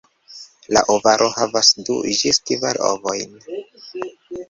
La ovaro havas du ĝis kvar ovojn.